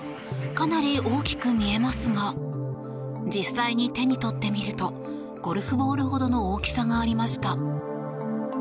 かなり大きく見えますが実際に手に取ってみるとゴルフボールほどの大きさがありました。